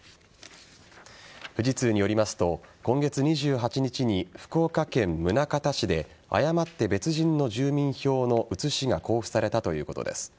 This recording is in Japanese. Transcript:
富士通によりますと今月２８日に福岡県宗像市で誤って別人の住民票の写しが交付されたということです。